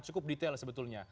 cukup detail sebetulnya